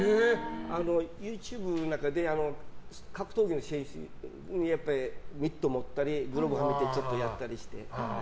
ＹｏｕＴｕｂｅの中で格闘技の試合でミットを持ったりグローブをはめてやったりして。